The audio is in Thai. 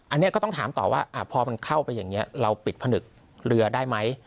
อันนี้ก็ต้องถามต่อว่าพอมันเข้าไปอย่างนี้เราปิดผนึกเรือได้ไหม